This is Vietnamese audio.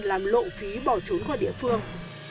làm lộ phí bỏ trốn khỏi địa phương